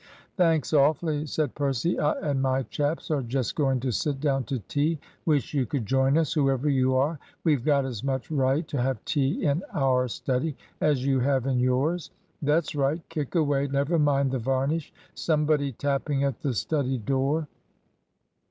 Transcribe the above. "Thanks awfully," said Percy. "I and my chaps are just going to sit down to tea. Wish you could join us, whoever you are. We've got as much right to have tea in our study as you have in yours. That's right! Kick away! Never mind the varnish! Somebody tapping at the study door."